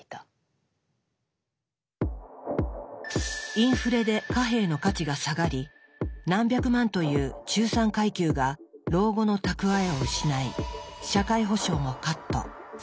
インフレで貨幣の価値が下がり何百万という中産階級が老後の蓄えを失い社会保障もカット。